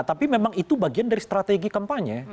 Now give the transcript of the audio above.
tapi memang itu bagian dari strategi kampanye